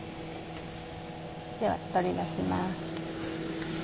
では取り出します。